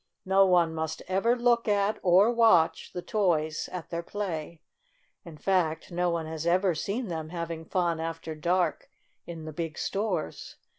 No one must ever look at, or watch, the toys at their play. In fact, no one has ever seen them having fun after dark in the big stores.